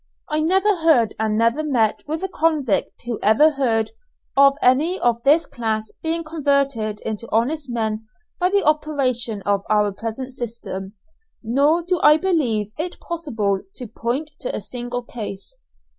I never heard, and I never met with a convict who ever heard, of any of this class being converted into honest men by the operation of our present system, nor do I believe it possible to point to a single case.